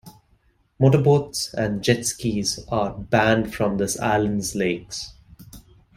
Motor boats and jet skis are banned from the island's lakes.